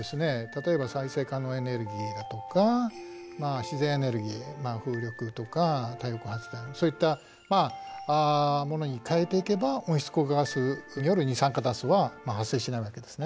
例えば再生可能エネルギーだとか自然エネルギー風力とか太陽光発電そういったものに変えていけば温室効果ガスになる二酸化炭素は発生しないわけですね。